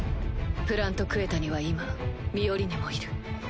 プラント・クエタには今ミオリネもいる。